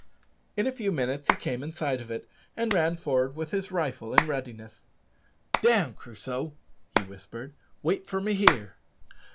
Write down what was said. In a few minutes he came in sight of it, and ran forward with his rifle in readiness. "Down, Crusoe," he whispered; "wait for me here."